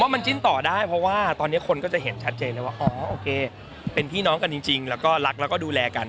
มันจิ้นต่อได้เพราะว่าตอนนี้คนก็จะเห็นชัดเจนเลยว่าอ๋อโอเคเป็นพี่น้องกันจริงแล้วก็รักแล้วก็ดูแลกัน